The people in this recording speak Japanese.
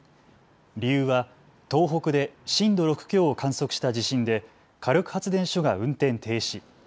理由は東北で震度６強を観測した地震で火力発電所が運転停止。